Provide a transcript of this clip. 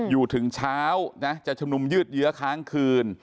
อยู่ถึงเช้านะจะชุมนุมยืดเยื้อค้างคืน